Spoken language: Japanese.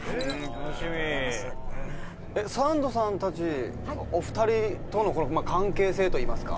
サンドさんたちお二人との関係性といいますか。